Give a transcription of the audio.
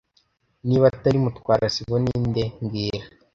Niba atari Mutwara sibo, ninde mbwira